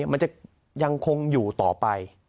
มันจะยังคงอยู่ต่อไป